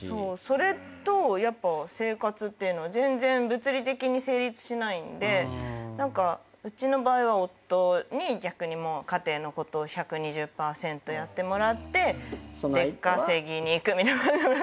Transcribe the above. それと生活っていうの全然物理的に成立しないんで何かうちの場合は夫に逆に家庭のこと１２０％やってもらって出稼ぎに行くみたいな。